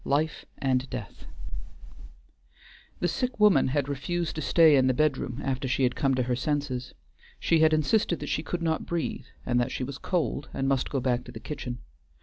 IV LIFE AND DEATH The sick woman had refused to stay in the bedroom after she had come to her senses. She had insisted that she could not breathe, and that she was cold and must go back to the kitchen.